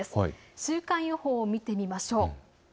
週間予報を見てみましょう。